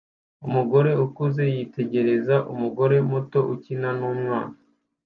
Umugore ukuze yitegereza umugore muto ukina numwana